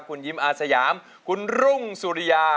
คุณยิ้มอาสยามคุณรุ่งสุริยา